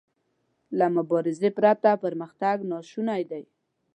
له مبارزې پرته پرمختګ ناشونی دی.